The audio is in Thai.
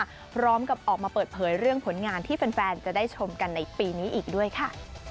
พร้อมกับออกมาเปิดเผยเรื่องผลงานที่แฟนจะได้ชมกันในปีนี้อีกด้วยค่ะ